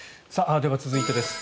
では続いてです。